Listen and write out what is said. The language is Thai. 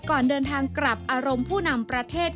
ก่อนเดินทางกลับอารมณ์ผู้นำประเทศ